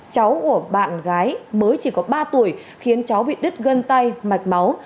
cháu của bạn gái mới chỉ có ba tuổi khiến cháu bị đứt gân tay mạch máu